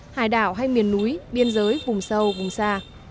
hải đảo hay miền núi biên giới vùng sâu vùng xa